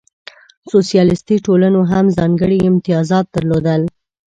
سوسیالیستي ټولنو هم ځانګړې امتیازات درلودل.